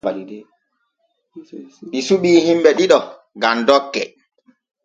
Ɗi suɓii himbe ɗiɗo gam dokke.